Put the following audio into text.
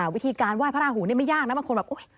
วิธีการว่ายพระหูนี่ไม่ยากนะบางคนแบบ